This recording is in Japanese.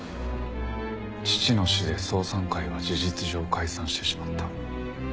父の死で双三会は事実上解散してしまった。